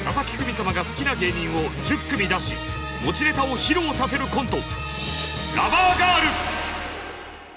様が好きな芸人を１０組出し持ちネタを披露させるコント。